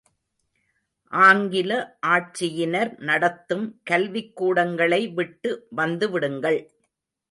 ஆங்கில ஆட்சியினர் நடத்தும் கல்விக்கூடங்களை விட்டு வந்துவிடுங்கள்.